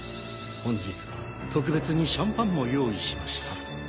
本日は特別にシャンパンも用意しました。